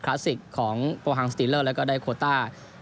ลาสสิกของโปรฮังสติเลอร์แล้วก็ได้โคต้า